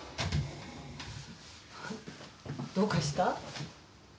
どうかした？